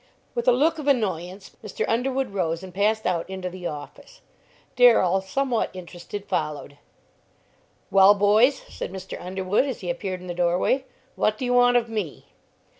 With a look of annoyance Mr. Underwood rose and passed out into the office; Darrell, somewhat interested, followed. "Well, boys," said Mr. Underwood, as he appeared in the doorway, "what do you want of me?"